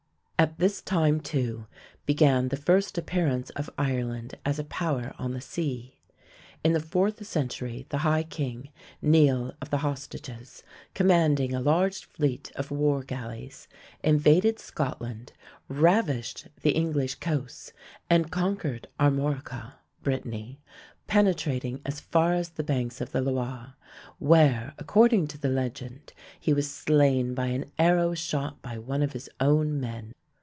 At this time, too, began the first appearance of Ireland as a power on the sea. In the fourth century the high king, Niall of the Hostages, commanding a large fleet of war galleys, invaded Scotland, ravaged the English coasts, and conquered Armorica (Brittany), penetrating as far as the banks of the Loire, where, according to the legend, he was slain by an arrow shot by one of his own men.